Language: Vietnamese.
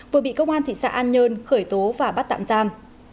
vừa bị công an thị xã an nhơn khởi tố và bắt tạm giam